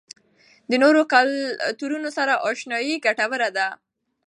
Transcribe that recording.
د نورو کلتورونو سره آشنايي ګټوره ده.